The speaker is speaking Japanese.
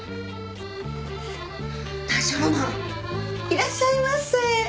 いらっしゃいませ。